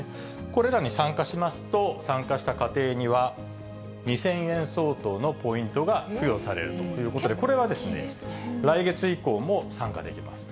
これらに参加しますと、参加した家庭には２０００円相当のポイントが付与されるということで、これは来月以降も参加できます。